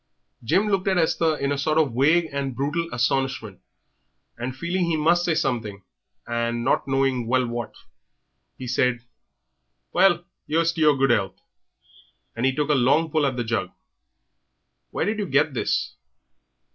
Jim looked at Esther in a sort of vague and brutal astonishment, and feeling he must say something, and not knowing well what, he said "Well, 'ere's to your good health!" and he took a long pull at the jug. "Where did you get this?"